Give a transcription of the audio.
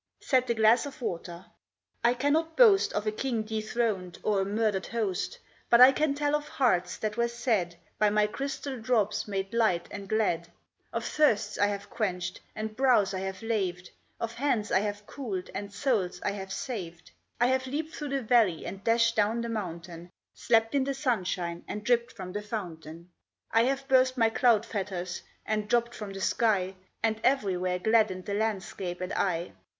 Said the glass of water: "I cannot boast Of a king dethroned or a murdered host; But I can tell of hearts that were sad, By my crystal drops made light and glad; Of thirsts I have quenched, and brows I have laved; Of hands I have cooled and souls I have saved. I have leaped through the valley and dashed down the mountain; Slept in the sunshine and dripped from the fountain. I have burst my cloud fetters and dropped from the sky, And everywhere gladdened the landscape and eye.